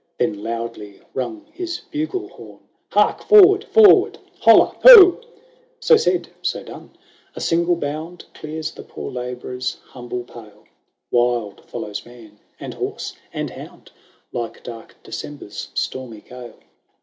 " Then loudly rung his bugle horn, " Hark forward, forward, holla, ho !" xx So said, so done :— A single bound Clears the poor labourer's humble pale ; "Wild follows man, and horse, and hound, Like dark December's stormy gale.